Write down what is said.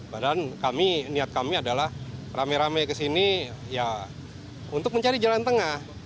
padahal kami niat kami adalah rame rame kesini ya untuk mencari jalan tengah